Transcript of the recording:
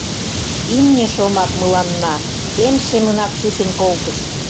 «Имне» шомак мыланна эм семынак чучын колтыш.